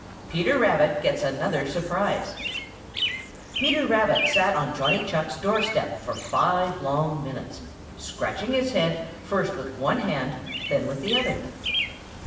XIX. PETER RABBIT GETS ANOTHER SURPRISE |PETER RABBIT sat on Johnny Chuck's door step for five long minutes, scratching his head first with one hand, then with the other.